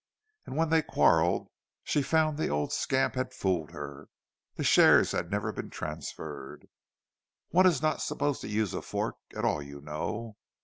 And when they quarrelled, she found the old scamp had fooled her—the shares had never been transferred. (One is not supposed to use a fork at all, you know.)